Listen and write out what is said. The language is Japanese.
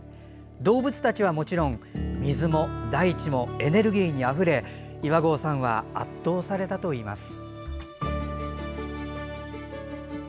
動物たちはもちろん、水も大地もエネルギーにあふれ岩合さんは圧倒されたといいます。